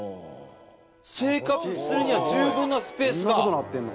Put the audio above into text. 生活するには十分なスペースが。